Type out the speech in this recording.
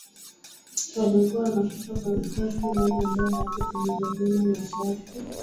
waliokuwa wanakufa kwa risasi ni wale ambao hawakutimiza vyema masharti ya sayansi yake aliyowapa